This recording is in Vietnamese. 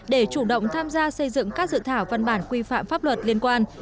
để chủ động tham gia xây dựng các dự thảo văn bản quy phạm pháp luật liên quan